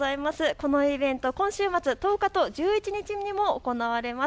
このイベント、今週末１０日と１１日にも行われます。